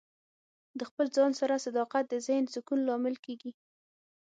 د خپل ځان سره صداقت د ذهن سکون لامل کیږي.